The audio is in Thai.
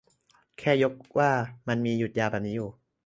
แค่ยกว่า มันมีหยุดยาวแบบนี้อยู่